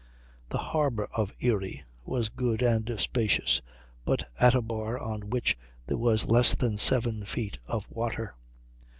The harbor of Erie was good and spacious, but had a bar on which there was less than seven feet of water.